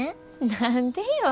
何でよ。